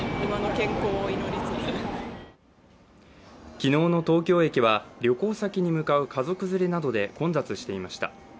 昨日の東京駅は旅行先に向かう家族連れなどで混雑していました。